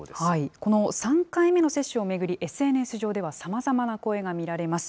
この３回目の接種を巡り、ＳＮＳ上ではさまざまな声が見られます。